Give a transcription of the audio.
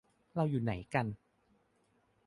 เราอยู่ไหนกัน